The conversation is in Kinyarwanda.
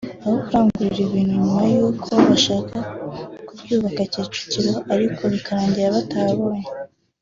aho kurangurira ibintu nyuma y’uko bashakaga kuryubaka Kicukiro ariko bikarangira batahabonye